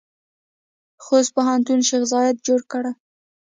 خوست پوهنتون شیخ زاید جوړ کړی؟